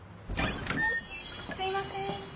すいません。